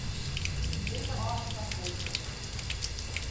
Dizze ôfspraak wegerje.